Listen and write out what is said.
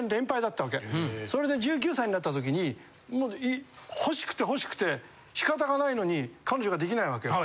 それで１９歳になった時に欲しくて欲しくて仕方がないのに彼女ができないわけよ。